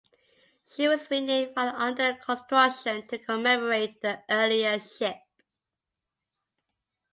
She was renamed while under construction to commemorate the earlier ship.